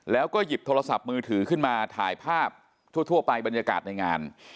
แล้วก็หยิบโทรศัพท์มือถือขึ้นมาถ่ายภาพทั่วไปบรรยากาศในงาน